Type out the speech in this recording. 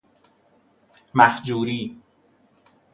مهجوری